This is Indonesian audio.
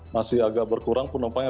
masih agak berkurang penumpangnya